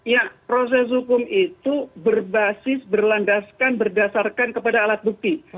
ya proses hukum itu berbasis berlandaskan berdasarkan kepada alat bukti